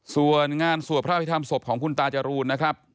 ส่วนงานสวดพระอภิษฐรรศพของคุณตาจรูนนะครับ